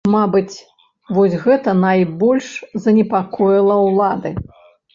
Мабыць, вось гэта найбольш занепакоіла ўлады.